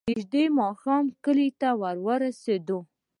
نژدې ماښام کلي ته ورسېدو.